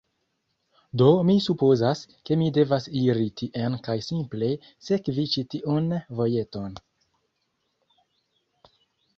Do, mi supozas, ke mi devas iri tien kaj simple sekvi ĉi tiun vojeton